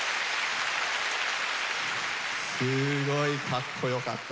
すごいかっこよかった。